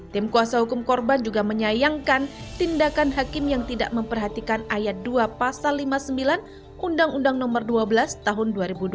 tim kuasa hukum korban juga menyayangkan tindakan hakim yang tidak memperhatikan ayat dua pasal lima puluh sembilan undang undang nomor dua belas tahun dua ribu dua